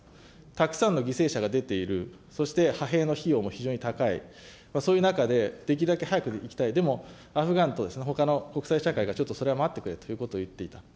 たくさんの犠牲者が出ている、そして派兵の費用も非常に高い、そういう中で、できるだけ早く行きたい、でもアフガンとほかの国際社会がちょっとそれは待ってくれということを言っていた。